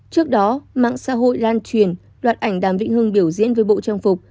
trước đó mạng xã hội lan truyền đoạt ảnh đàm vĩnh hưng biểu diễn với bộ trang phục